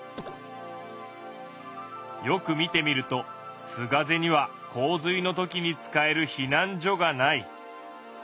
よく見てみると須ヶ瀬には洪水のときに使える避難所がない。